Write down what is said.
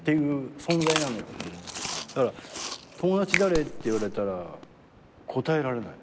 だから「友達誰？」って言われたら答えられない。